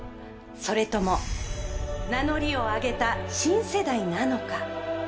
それとも名乗りをあげた新世代なのか？